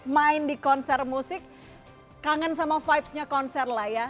main di konser musik kangen sama vibesnya konser lah ya